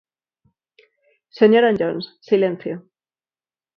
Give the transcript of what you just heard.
Señor Anllóns, silencio.